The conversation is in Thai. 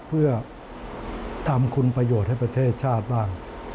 เพื่อทำคุณประโยชน์ให้ประเทศชาติบ้าง